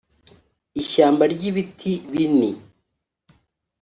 ishyamba ryibiti bini